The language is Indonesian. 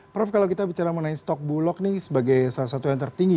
prof kalau kita bicara mengenai stok bulog nih sebagai salah satu yang tertinggi